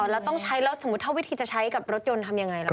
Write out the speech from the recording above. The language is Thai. แล้วต้องใช้แล้วสมมุติถ้าวิธีจะใช้กับรถยนต์ทำยังไงล่ะ